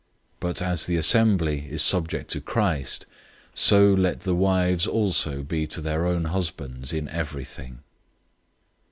005:024 But as the assembly is subject to Christ, so let the wives also be to their own husbands in everything.